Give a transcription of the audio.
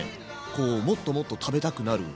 こうもっともっと食べたくなる。